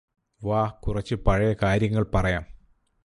വാ കുറച്ച് പഴയ കാര്യങ്ങള് പറയാം